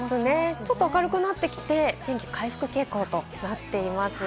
ちょっと明るくなってきて、天気が回復傾向となっています。